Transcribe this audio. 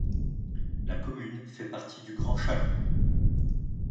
La commune fait partie du Grand Chalon.